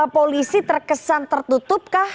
polisi terkesan tertutupkah